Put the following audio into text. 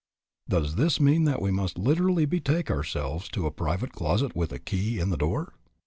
Does this mean that we must literally betake ourselves to a private closet with a key in the door?